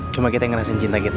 cuma kita yang ngerasain cinta kita